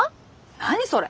何それ！